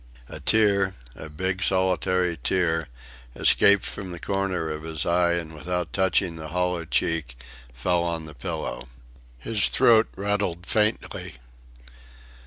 A tear, a big solitary tear, escaped from the corner of his eye and, without touching the hollow cheek, fell on the pillow. His throat rattled faintly.